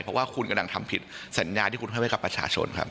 เพราะว่าคุณกำลังทำผิดสัญญาที่คุณให้ไว้กับประชาชนครับ